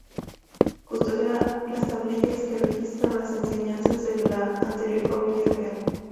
Custodia las tablillas que registran las enseñanzas de la anterior familia real.